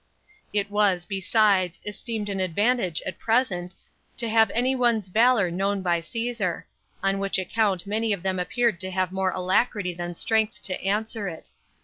It was, besides, esteemed an advantage at present to have any one's valor known by Caesar; on which account many of them appeared to have more alacrity than strength to answer it.